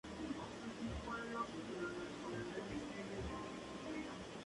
Su centro administrativo es la localidad de Sande.